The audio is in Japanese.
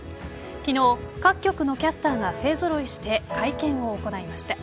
昨日、各局の気象キャスターが勢ぞろいして会見を行いました。